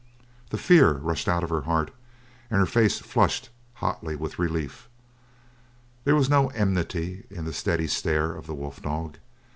The fear rushed out of her heart; and her face flushed hotly with relief. There was no enmity in the steady stare of the wolf dog.